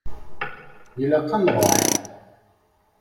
Ilaq ad nruḥ.